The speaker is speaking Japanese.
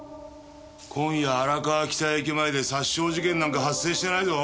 今夜荒川北駅前で殺傷事件なんか発生してないぞ。